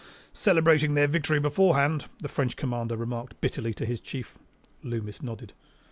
"Celebrating their victory beforehand," the French commander remarked bitterly to his chief. Loomis nodded.